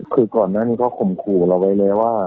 คือก่อนหน้านี้เห็นแล้วว่า